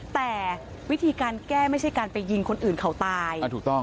แต่วิธีการแก้ไม่ใช่การไปยิงคนอื่นเขาตาย